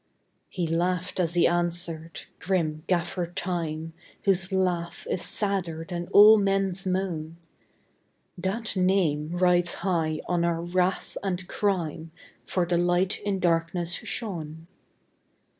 " He laughed as he answered, grim Gaffer Time, Whose laugh is sadder than all men s moan. " That name rides high on our wrath and crime, For the Light in darkness shone.